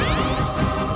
aku akan menang